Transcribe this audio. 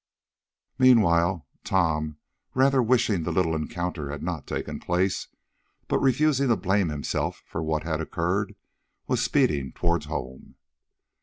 Meanwhile Tom, rather wishing the little encounter had not taken place, but refusing to blame himself for what had occurred, was speeding toward home.